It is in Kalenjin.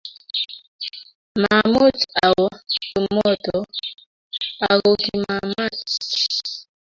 Maamuch awo tumoto ,ako kimamach